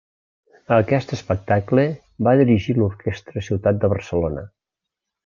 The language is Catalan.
A aquest espectacle va dirigir l'Orquestra Ciutat de Barcelona.